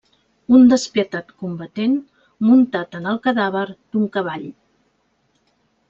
Un despietat combatent muntat en el cadàver d'un cavall.